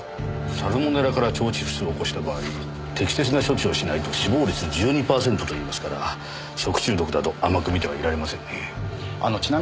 サルモネラから腸チフスを起こした場合適切な処置をしないと死亡率１２パーセントといいますから食中毒だと甘く見てはいられませんね。